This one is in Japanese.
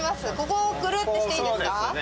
ここをグルッてしていいですか？